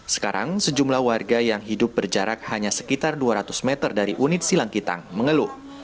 sekarang sejumlah warga yang hidup berjarak hanya sekitar dua ratus meter dari unit silangkitang mengeluh